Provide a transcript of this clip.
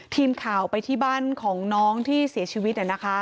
ทีมข่าวไปที่บ้านของน้องที่เสียชีวิต